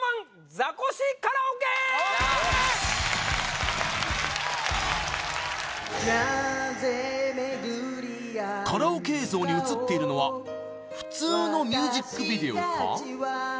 ザコシカラオケーカラオケ映像に映っているのは普通のミュージックビデオか？